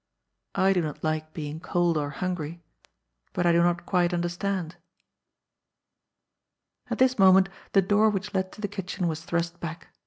I do not like being cold or hungry, but I do not quite understand." At this moment the door which led to the kitchen was thrust back.